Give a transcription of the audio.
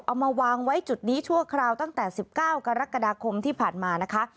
เอามาวางไว้จุดนี้ชั่วคราวตั้งแต่๑๙กรกฎาคมที่ผ่านมานะคะ